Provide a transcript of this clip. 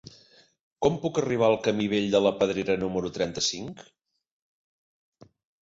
Com puc arribar al camí Vell de la Pedrera número trenta-cinc?